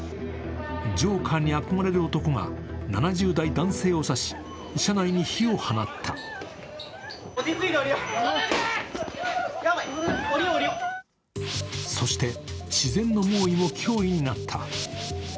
ジョーカーに憧れる男が７０代男性を刺し、車内に火を放ったそして自然の猛威も脅威になった。